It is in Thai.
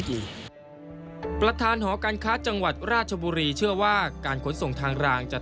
ช่วยให้หมุนราคาการคาร์ดของจังหวัดในภูมิภาคนี้เติบโตอีกเท่าตัว